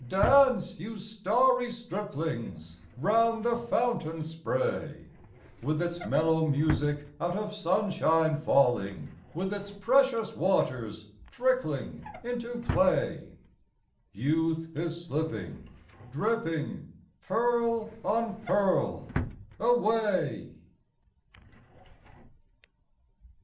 Dance, you starry striplings! round the fountain spray; With its mellow music out of sunshine falling, With its precious waters trickling into clay, Youth is slipping, dripping, pearl on pearl, away!